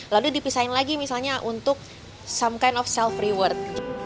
lalu dipisahin lagi misalnya untuk somekine of self reward